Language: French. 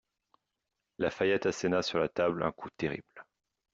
La Fayette asséna sur la table un coup terrible.